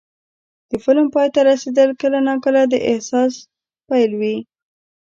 د فلم پای ته رسېدل کله ناکله د احساس پیل وي.